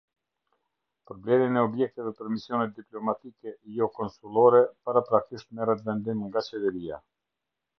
Për blerjen e Objekteve për misionet diplomatikejkonsullore paraprakisht merret vendim nga Qeveria.